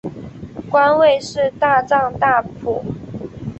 官位是大藏大辅。